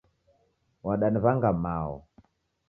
Wadaniw'anga mao.